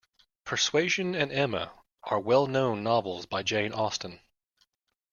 Persuasion and Emma are well-known novels by Jane Austen